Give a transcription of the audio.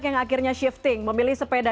yang akhirnya shifting memilih sepeda